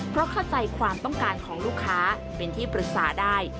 เพราะเข้าใจความต้องการของลูกค้าเป็นที่ปรึกษาได้